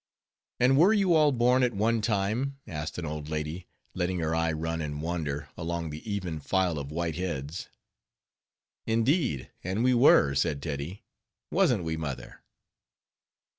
"And were you all born at one time?" asked an old lady, letting her eye run in wonder along the even file of white heads. "Indeed, an' we were," said Teddy; "wasn't we, mother?"